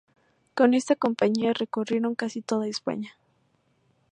Con esta compañía recorrieron casi toda España.